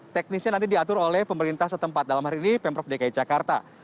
teknisnya nanti diatur oleh pemerintah setempat dalam hari ini pemprov dki jakarta